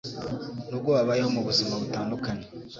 Nubwo babayeho mubuzima butandukanye